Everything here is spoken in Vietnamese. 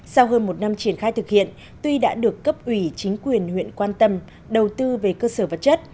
sau hơn một năm triển khai thực hiện tuy đã được cấp ủy chính quyền huyện quan tâm đầu tư về cơ sở vật chất